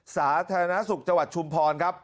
สาธารณสุขจังหวัดชุมพรครับ